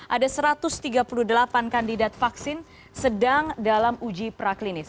ada satu ratus tiga puluh delapan kandidat vaksin sedang dalam uji praklinis